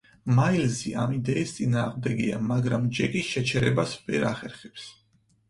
მაილზი ამ იდეის წინააღმდეგია მაგრამ ჯეკის შეჩერებას ვერ ახერხებს.